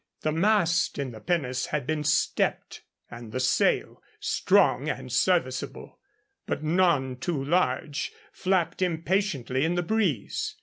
The mast in the pinnace had been stepped, and the sail, strong and serviceable, but none too large, flapped impatiently in the breeze.